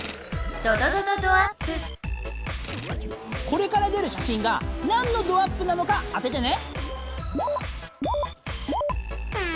これから出る写真がなんのドアップなのか当ててね。